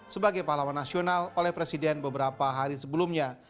sebagai pahlawan nasional oleh presiden beberapa hari sebelumnya